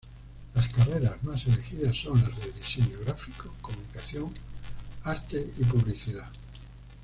Las carreras más elegidas son las de Diseño Gráfico, Comunicación, Arte y Publicidad.